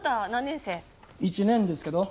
１年ですけど。